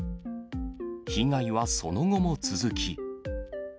被害はその後も続き。